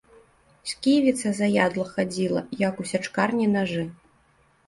Сківіца заядла хадзіла, як у сячкарні нажы.